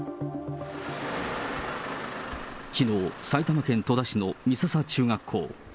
きのう、埼玉県戸田市の美笹中学校。